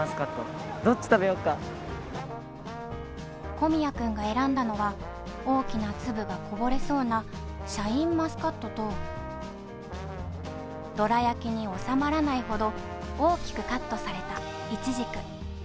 小宮君が選んだのは大きな粒がこぼれそうなシャインマスカットとどら焼きに収まらないほど大きくカットされたいちじく。